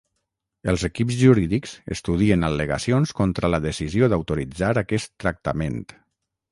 Els equips jurídics estudien al·legacions contra la decisió d’autoritzar aquest tractament.